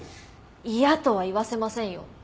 嫌とは言わせませんよ。